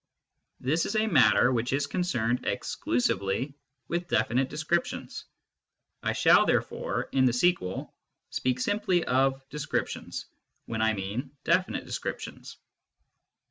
This is a matter which is concerned exclusively with definite descriptions. I shall, therefore, in the sequel, speak simply of " descriptions " when I mean " definite descrip tions."